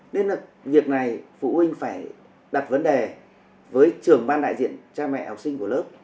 nên là việc này phụ huynh phải đặt vấn đề với trưởng ban đại diện cha mẹ học sinh của lớp